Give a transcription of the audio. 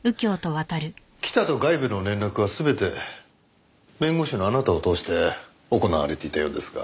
北と外部の連絡は全て弁護士のあなたを通して行われていたようですが。